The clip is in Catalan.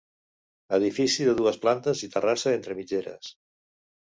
Edifici de dues plantes i terrassa entre mitgeres.